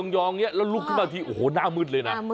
โหวหน้ามืดเลยนะ